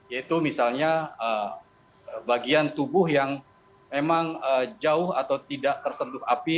yaitu misalnya bagian tubuh yang memang jauh atau tidak tersentuh api